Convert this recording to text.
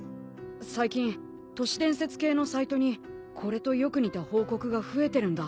最近都市伝説系のサイトにこれとよく似た報告が増えてるんだ。